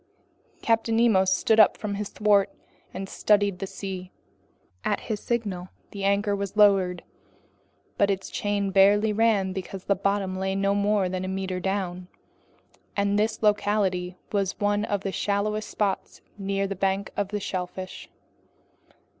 Captain Nemo stood up from his thwart and studied the sea. At his signal the anchor was lowered, but its chain barely ran because the bottom lay no more than a meter down, and this locality was one of the shallowest spots near the bank of shellfish.